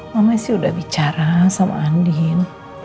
mama sih udah bicara sama andin